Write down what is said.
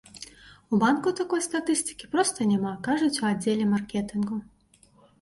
У банку такой статыстыкі проста няма, кажуць у аддзеле маркетынгу.